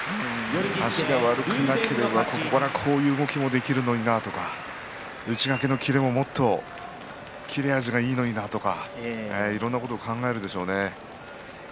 足が悪くなければこういう動きがるできるのになと、内掛けのキレももっと切れ味がいいのになといろんなことを考えるでしょうね。